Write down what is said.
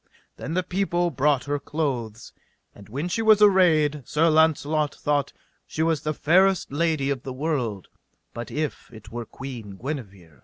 Then the people brought her clothes. And when she was arrayed, Sir Launcelot thought she was the fairest lady of the world, but if it were Queen Guenever.